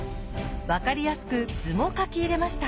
分かりやすく図も書き入れました。